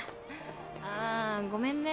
ああごめんね。